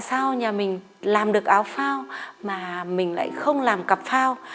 tại vì nhà mình làm được áo phao mà mình lại không làm cặp phao